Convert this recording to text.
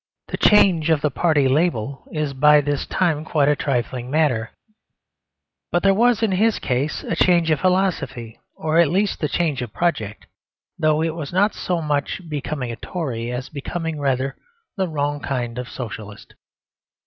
The change of the party label is by this time quite a trifling matter; but there was in his case a change of philosophy or at least a change of project; though it was not so much becoming a Tory, as becoming rather the wrong kind of Socialist.